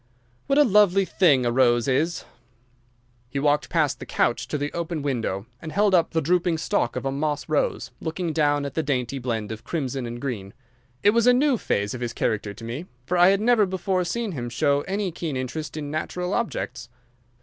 What a lovely thing a rose is!" He walked past the couch to the open window, and held up the drooping stalk of a moss rose, looking down at the dainty blend of crimson and green. It was a new phase of his character to me, for I had never before seen him show any keen interest in natural objects.